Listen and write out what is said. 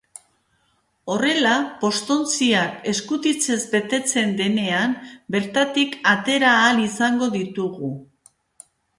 Horrela, postontzia eskutitzez betetzen denean bertatik atera ahal izango ditugu.